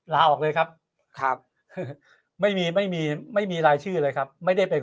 ลาออกเลยครับครับไม่มีไม่มีรายชื่อเลยครับไม่ได้ไป